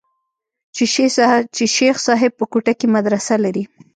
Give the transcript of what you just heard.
چې شيخ صاحب په کوټه کښې مدرسه لري.